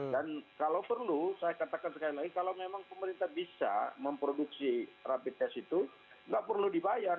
dan kalau perlu saya katakan sekali lagi kalau memang pemerintah bisa memproduksi rapid test itu nggak perlu dibayar